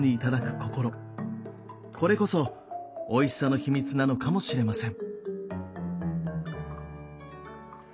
これこそおいしさの秘密なのかもしれません。